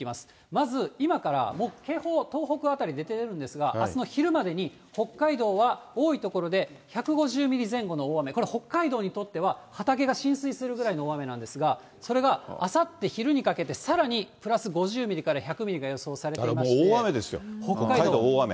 まず、今からもう警報、東北辺り出てるんですが、あすの昼までに、北海道は、多い所で１５０ミリ前後の大雨、これ北海道にとっては、畑が浸水するぐらいの大雨なんですが、それがあさって昼にかけてさらにプラス５０ミリから１００ミリがだからもう大雨ですよ、北海道、大雨。